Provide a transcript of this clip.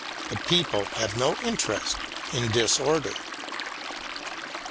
... The people have no interest in disorder.